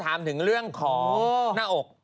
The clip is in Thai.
ถามถึงเรื่องของหน้าอก